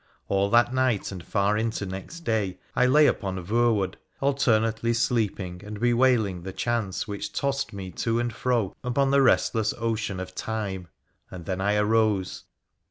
All that night and far into next day I lay upon Voewood, alternately sleeping and bewailing the chance which tossed me to and fro upon the restless ocean of time, and then I arose.